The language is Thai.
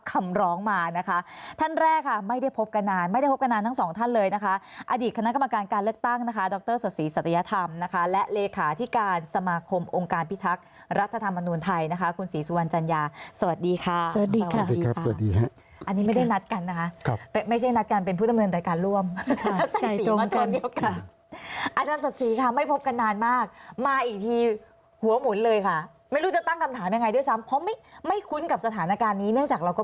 ทำร้องมานะคะท่านแรกค่ะไม่ได้พบกันนานไม่ได้พบกันนานทั้งสองท่านเลยนะคะอดีตคณะกรรมการการเลือกตั้งนะคะดรสสีสัตยธรรมนะคะและเลขาที่การสมาคมองค์การพิทักษ์รัฐธรรมนุนไทยนะคะคุณศรีสุวรรณจัญญาสวัสดีค่ะสวัสดีค่ะสวัสดีครับสวัสดีครับอันนี้ไม่ได้นัดกันนะคะครับไม่ใช่นัดกันเป็นผู้ดำเนินแต่